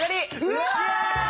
うわ！